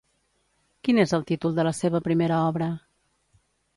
Quin és el títol de la seva primera obra?